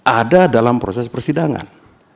ada dalam proses persidangan